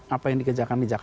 apa yang dikerjakan di jakarta